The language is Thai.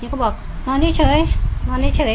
ก็บอกนอนนี่เฉยนอนนี่เฉย